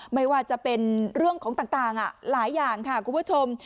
ไม่ว่าจะเป็นเรื่องของต่างหลายอย่างค่ะคุณผู้ชม